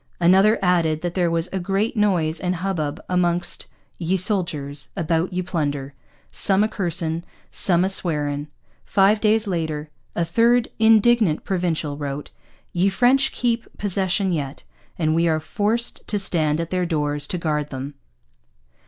Another added that there was 'a great Noys and hubbub a mongst ye Solders a bout ye Plunder: Som a Cursing, Som a Swarein.' Five days later a third indignant Provincial wrote: 'Ye French keep possession yet, and we are forsed to stand at their Dores to gard them.'